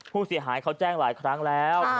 ผู้เสียหายเขาแจ้งหลายครั้งแล้ว